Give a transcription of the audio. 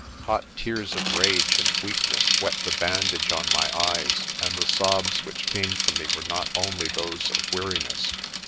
Hot tears of rage and weakness wet the bandage on my eyes, and the sobs which came from me were not only those of weariness.